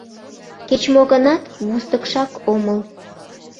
— Кеч-мо гынат, вустыкшак омыл...